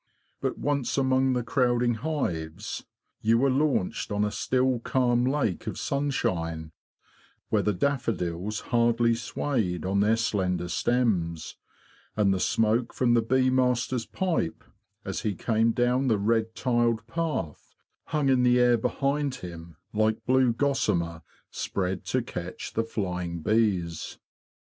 But once among the crowding hives, you were launched on a still calm lake of sunshine, where the daffodils hardly swayed on their slender stems; and the smoke from the bee master's pipe, as he came down the red tiled path, hung in the air behind hhim like blue gossamer spread to catch the flying bees.